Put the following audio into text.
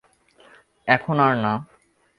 এখন আর না।